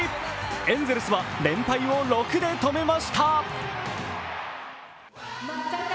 エンゼルスは連敗を６で止めました。